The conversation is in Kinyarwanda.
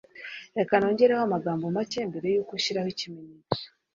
Reka nongereho amagambo make mbere yuko ushiraho ikimenyetso.